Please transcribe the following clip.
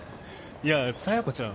いや佐弥子ちゃん